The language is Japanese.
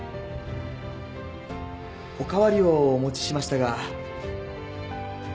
お代わりをお持ちしましたが。